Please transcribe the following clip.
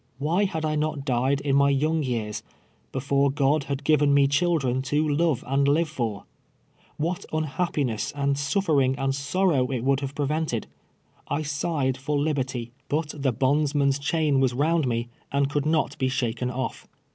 Why had I not died in my young years — before God had given me children to love and live for? What un happiness and suffering and sorrow it would have prevented. I sighed for liberty ; but the bondman's 126 TWELTK YEAIiS A SLAVE. chain was round nie, and could not be shaken oflf.